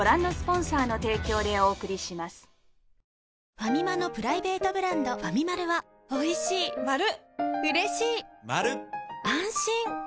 ファミマのプライベートブランドファミマルはそんなファミマルから